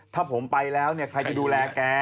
ถ้าผมไปแล้วเนี่ยใครจะดูแลแก